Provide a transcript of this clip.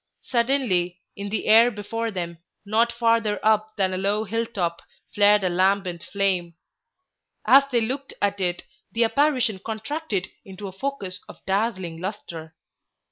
Suddenly, in the air before them, not farther up than a low hill top flared a lambent flame; as they looked at it, the apparition contracted into a focus of dazzling lustre.